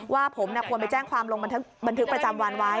ว่าผมควรไปแจ้งความลงบันทึกประจำวันไว้